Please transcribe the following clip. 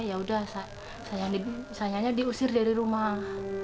ya udah sayangnya diusir dari rumah